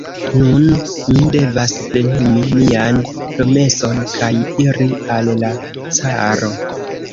Nun mi devas plenumi mian promeson, kaj iri al la caro.